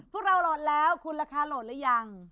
พวกเราโหลดแล้วคุณราคาโหลดหรือยัง